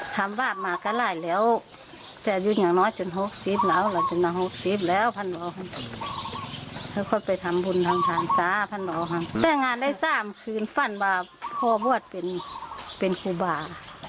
แต่งานได้๓คืนฝั่นว่าพ่อบวชเป็นฮุบา